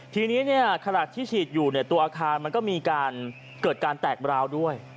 ทีนี้ขณะที่ฉีดอยู่ตัวอาคารมันก็มีการเกิดการแตกราวด้วย